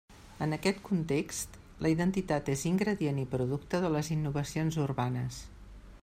En aquest context, la identitat és ingredient i producte de les innovacions urbanes.